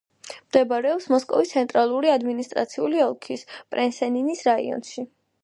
მდებარეობს მოსკოვის ცენტრალური ადმინისტრაციული ოლქის პრესნენის რაიონში.